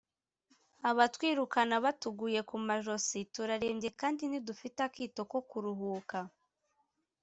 Abatwirukana batuguye ku majosi, Turarembye kandi ntidufite akito ko kuruhuka.